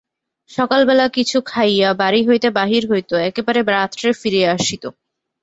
সকালবেলায় কিছু খাইয়া বাড়ি হইতে বাহির হইত, একেবারে রাত্রে ফিরিয়া আসিত।